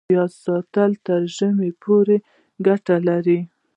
د پیاز ساتل تر ژمي پورې ګټه لري؟